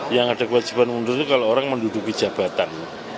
yang ada kewajiban mundur itu kalau orang menduduki jabatan